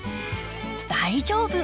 大丈夫。